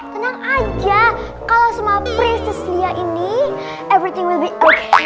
tenang aja kalo sama prinses lia ini everything will be okay